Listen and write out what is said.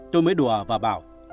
tôi mới đùa và bảo